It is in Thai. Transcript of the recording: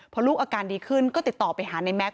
พอลูกอาการดีขึ้นก็ติดต่อไปหาในแก๊ก